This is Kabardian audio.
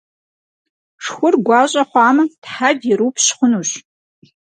Шхур гуащӏэ хъуамэ, тхьэв ирупщ хъунущ.